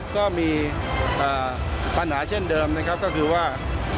ก็มีปัญหาเช่นเดิมนะครับก็คือว่า